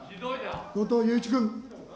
後藤祐一君。